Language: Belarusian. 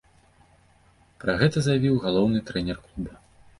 Пра гэта заявіў галоўны трэнер клуба.